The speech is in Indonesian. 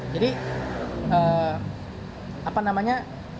jadi apa namanya